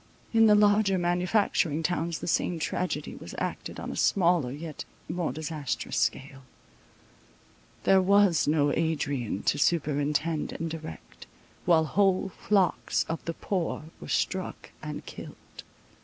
In the larger manufacturing towns the same tragedy was acted on a smaller, yet more disastrous scale. There was no Adrian to superintend and direct, while whole flocks of the poor were struck and killed.